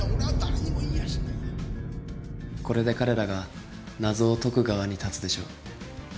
これで彼らが謎を解く側に立つでしょう。